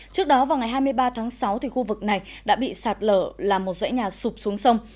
trước đó vào ngày hai mươi ba tháng sáu khu vực này đã bị sạt lở làm một dãy nhà sụp xuống sông